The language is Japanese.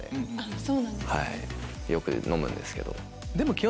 よく飲むんですけど。